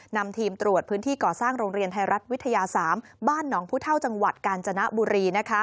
นำทีมตรวจพื้นที่ก่อสร้างโรงเรียนไทยรัฐวิทยา๓บ้านหนองผู้เท่าจังหวัดกาญจนบุรี